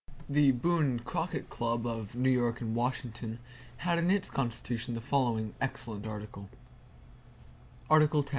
The Boone and Crockett Club, of New York and Washington, had in its constitution the following excellent article: "Article X.